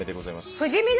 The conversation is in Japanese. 不死身な？